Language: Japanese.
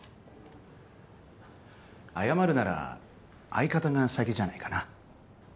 謝るなら相方が先じゃないかな